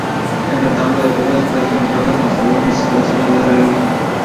El retablo de Huguet fue desmontado y conservado en las instalaciones del gremio.